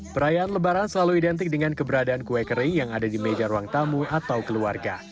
perayaan lebaran selalu identik dengan keberadaan kue kering yang ada di meja ruang tamu atau keluarga